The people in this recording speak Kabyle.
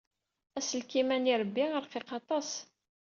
Aselkim-a n yirebbi rqiq aṭas.